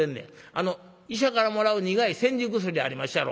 あの医者からもらう苦い煎じ薬ありまっしゃろ？